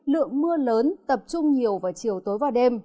lượng mưa lớn tập trung nhiều vào chiều tối và đêm